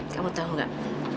kamu tahu gak